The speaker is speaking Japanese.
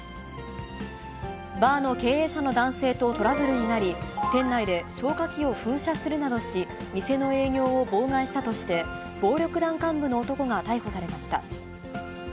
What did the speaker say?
バーの経営者の男性とトラブルになり、店内で消火器を噴射するなどし、店の営業を妨害したとして、暴力団幹部の男が逮捕されました。